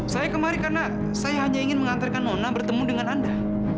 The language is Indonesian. saya kemari karena saya hanya ingin mengantarkan nona bertemu dengan anda